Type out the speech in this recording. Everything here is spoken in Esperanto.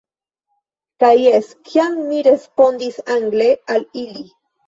Kaj jes, kiam mi respondis angle al ili.